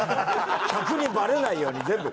客にバレないように全部。